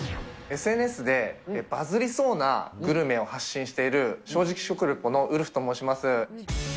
ＳＮＳでバズリそうなグルメを発信している正直食レポのウルフと申します。